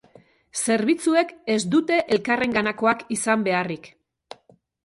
Zerbitzuek ez dute elkarrenganakoak izan beharrik.